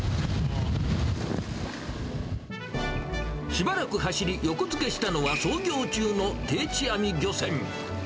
しばらく走り、横付けしたのは、操業中の定置網漁船。